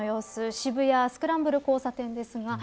渋谷、スクランブル交差点です。